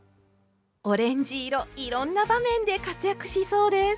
オレンジ色いろんな場面で活躍しそうです。